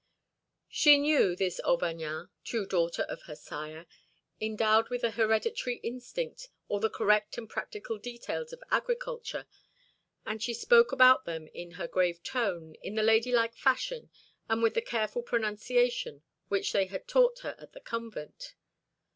She knew, this Auvergnat, true daughter of her sire, endowed with the hereditary instinct, all the correct and practical details of agriculture, and she spoke about them in her grave tone, in the ladylike fashion, and with the careful pronunciation which they had taught her at the convent.